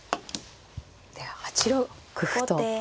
で８六歩と。